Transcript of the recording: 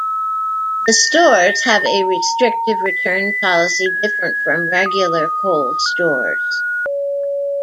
The stores have a restrictive return policy different from regular Kohl's stores.